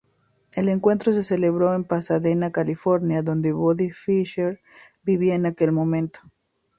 El encuentro se celebró en Pasadena, California, donde Bobby Fischer vivía en aquel momento.